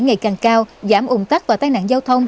ngày càng cao giảm ủng tắc và tai nạn giao thông